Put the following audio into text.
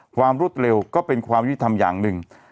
รวดเร็วก็เป็นความยุติธรรมอย่างหนึ่ง